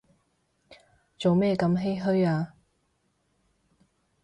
做咩咁唏噓啊